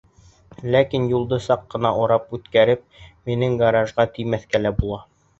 Ләкин юлды саҡ ҡына урап үткәреп, минең гаражға теймәҫкә лә була.